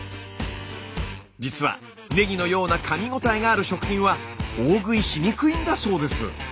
実はねぎのようなかみごたえがある食品は大食いしにくいんだそうです。